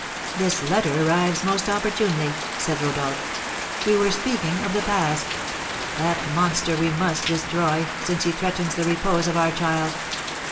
"This letter arrives most opportunely," said Rodolph. "We were speaking of the Past; that monster we must destroy, since he threatens the repose of our child."